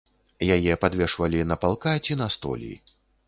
Яе падвешвалі на палка ці на столі.